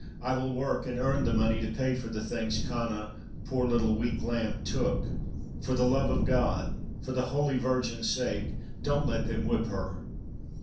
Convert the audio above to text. I will work and earn the money to pay for the things Cana, poor little weak lamb, took. For the love of God, for the Holy Virgin's sake, don't let thsm whip her."